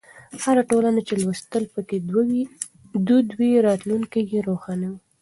هره ټولنه چې لوستل پکې دود وي، راتلونکی یې روښانه وي.